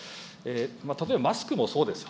例えばマスクもそうですよ。